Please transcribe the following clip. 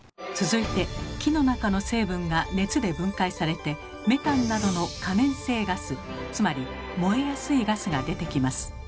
続いて木の中の成分が熱で分解されてメタンなどの可燃性ガスつまり燃えやすいガスが出てきます。